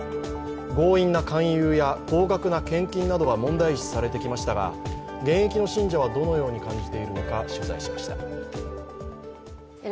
強引な勧誘や高額な献金などが問題視されてきましたが現役の信者はどのように感じているのか取材しました。